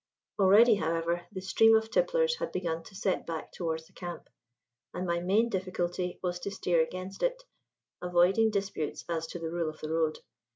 Already, however, the stream of tipplers had begun to set back towards the camp, and my main difficulty was to steer against it, avoiding disputes as to the rule of the road.